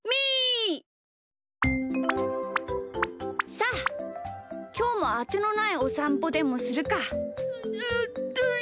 さあきょうもあてのないおさんぽでもするか。